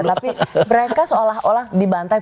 tapi mereka seolah olah di bantai